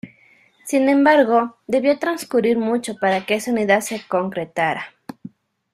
Sin embargo, debió transcurrir mucho para que esa unidad se concretara.